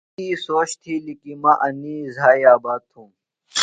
تی سوچ تِھیلیۡ کی مہ انیۡ زھائی آباد تُھوم۔